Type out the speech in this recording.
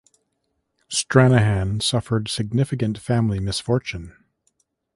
Stranahan suffered significant family misfortune.